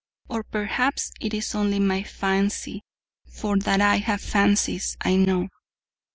Or perhaps it is only my fancy: for that I have fancies I know.